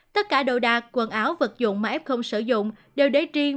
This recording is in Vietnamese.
tất cả đồ đạc quần áo vật dụng mà ép không sử dụng đều đế riêng